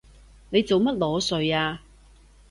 你做乜裸睡啊？